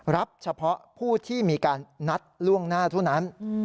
รับเฉพาะผู้ที่มีการนัดล่วงหน้าเท่านั้น